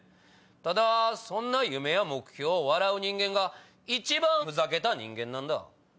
ただそんな夢や目標を笑う人間が一番ふざけた人間なんだ。